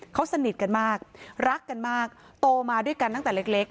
เขาสนิทกันมากรักกันมากโตมาด้วยกันตั้งแต่เล็ก